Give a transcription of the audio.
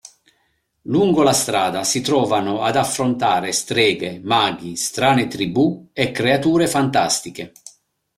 Lungo la strada si trovano ad affrontare streghe, maghi, strane tribù e creature fantastiche.